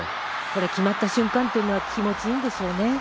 決まった瞬間というのは気持ち良いんでしょうね。